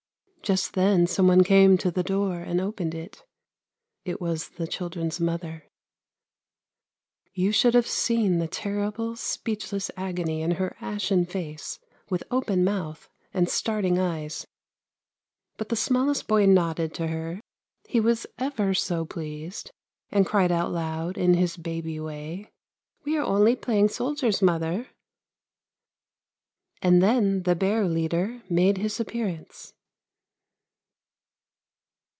Just then someone came to the door and opened it, it was the children's mother. You should have seen the terrible, speechless agony in her ashen face, with open mouth, and starting eyes. But the smallest boy nodded to her, he was ever so pleased, and cried out loud, in his baby way, ' We are only playing soldiers, mother.' And then the bear leader made his appearance."